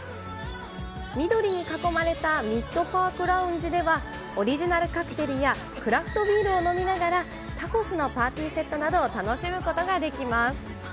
緑に囲まれたミッドパークラウンジでは、オリジナルカクテルやクラフトビールを飲みながら、タコスのパーティーセットなどを楽しむことができます。